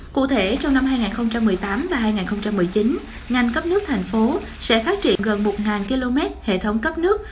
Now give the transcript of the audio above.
cụ thể trong năm hai nghìn một mươi tám và hai nghìn một mươi chín ngành cấp nước thành phố sẽ phát triển gần một km hệ thống cấp nước